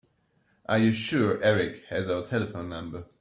Are you sure Erik has our telephone number?